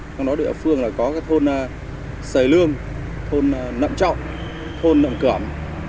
đối với địa phương có thôn sời lương thôn nậm trọng thôn nậm cửa